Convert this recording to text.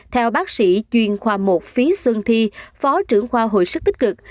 theo bác sĩ chuyên khoa một phí xương thi phó trưởng khoa hồi sức tích cực